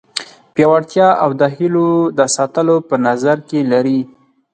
پیاوړتیا او د هیلو د ساتلو په نظر کې لري.